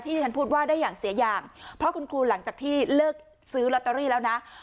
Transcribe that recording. ที่ฉันพูดว่าได้อย่างเสียอย่างเพราะคุณครูหลังจากที่เลิกซื้อลอตเตอรี่แล้วนะ